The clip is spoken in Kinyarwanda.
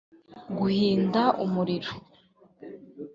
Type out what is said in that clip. Guhinda umuriro